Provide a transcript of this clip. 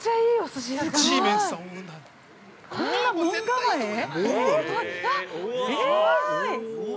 すごい。